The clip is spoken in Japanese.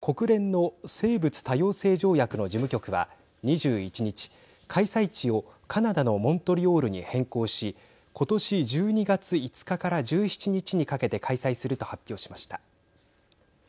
しかし、中国で新型コロナの感染が広がる中再び延期となり国連の生物多様性条約の事務局は２１日、開催地をカナダのモントリオールに変更しことし１２月５日から１７日にかけて開催すると発表しました。